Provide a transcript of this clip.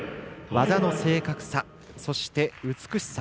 技の正確さ、そして美しさ